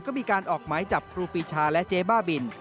ก็มีการออกหมายจับครูปีชาและเจ๊บ้าบิน